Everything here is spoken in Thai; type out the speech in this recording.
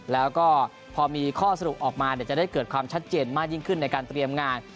แล้วก็พอมีข้อสรุปออกมาจะได้เกิดความชัดเจนมากยิ่งขึ้นในการเตรียมงาน